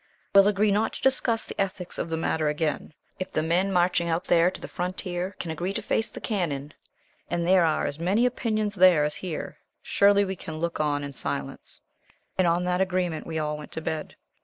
We'll agree not to discuss the ethics of the matter again. If the men marching out there to the frontier can agree to face the cannon and there are as many opinions there as here surely we can look on in silence." And on that agreement we all went to bed.